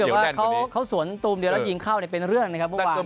แต่ว่าเขาสวนตูมเดียวแล้วยิงเข้าเป็นเรื่องนะครับเมื่อวาน